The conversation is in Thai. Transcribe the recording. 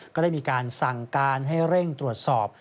ก็ได้มีการสั่งการให้เร่งตรวจสอบ